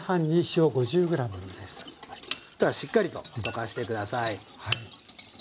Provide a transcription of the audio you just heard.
そしたらしっかりと溶かして下さい。